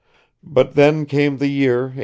. but then came the year 1848.